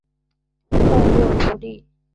后又独立。